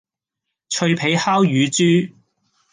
脆皮烤乳豬